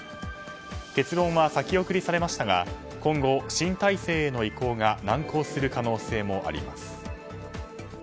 結論は先送りされましたが今後、新体制への移行が難航する可能性もあります。